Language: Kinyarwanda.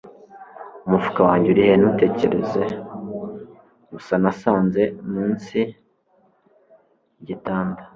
umufuka wanjye uri he? ntutekereze! gusa nasanze munsi yigitanda